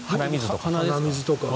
鼻水とか。